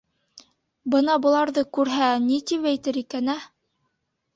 Бына быларҙы күрһә, ни тип әйтер ине икән, ә?